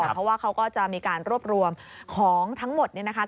เพราะว่าเขาก็จะมีการรวบรวมของทั้งหมดเนี่ยนะคะ